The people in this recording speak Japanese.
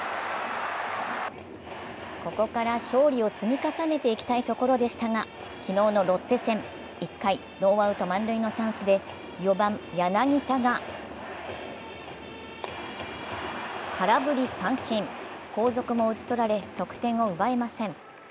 ここから勝利を積み重ねていきたいところでしたが、昨日のロッテ戦、１回、ノーアウト満塁のチャンスで４番・柳田が空振り三振、後続も打ち取られ得点を奪えません。